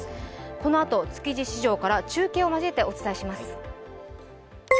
このあと築地市場から中継を交えてお送りします。